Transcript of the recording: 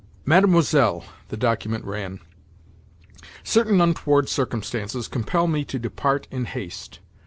"Mademoiselle," the document ran, "certain untoward circumstances compel me to depart in haste.